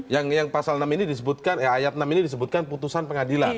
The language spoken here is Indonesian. yang pasal enam ini disebutkan ayat enam ini disebutkan putusan pengadilan